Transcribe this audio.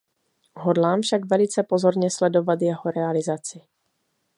Hodlám však velice pozorně sledovat jeho realizaci.